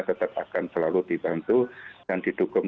tetap akan selalu dibantu dan didukung